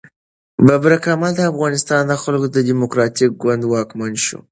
ببرک کارمل د افغانستان د خلق دموکراتیک ګوند واکمن شو.